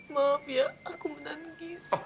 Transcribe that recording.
maaf ya aku menangis